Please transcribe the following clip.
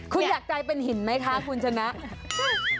คุณอยากกลายเป็นหินไหมคะคุณชนะ